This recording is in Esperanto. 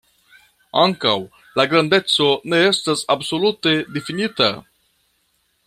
Ankaŭ la grandeco ne estas absolute difinita.